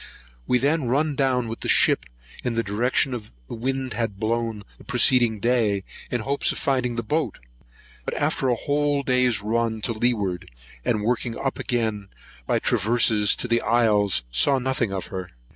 We then run down with the ship in the direction the wind had blown the preceding day, in hopes of finding the boat; but after a whole day's run to leeward, and working up again by traverses to the isles, saw nothing of her.